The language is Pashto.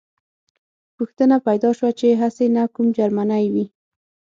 پوښتنه پیدا شوه چې هسې نه کوم جرمنی وي